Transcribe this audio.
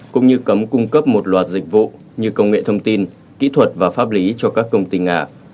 cũng như cấm cung cấp một loạt dịch vụ như công nghệ thông tin kỹ thuật và pháp lý cho các công ty nga